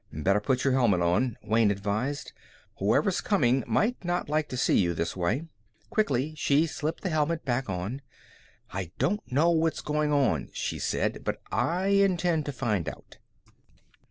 "Better put your helmet on," Wayne advised. "Whoever's coming might not like to see you this way." Quickly, she slipped the helmet back on. "I don't know what's going on," she said. "But I intend to find out."